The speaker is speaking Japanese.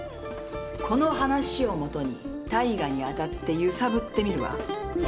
この話をもとに大我に当たって揺さぶってみるわ。